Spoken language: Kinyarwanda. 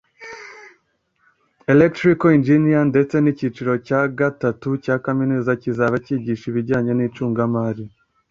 Electrical engineering ndetse n’icyiciro cya gatatu cya Kaminuza kizaba kigisha ibijyanye n’icungamari